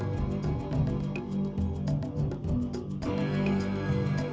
doa zikir semua lengkap